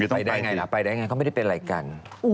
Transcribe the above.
ไปได้ไงล่ะไปได้ไงเขาไม่ได้เป็นอะไรกัน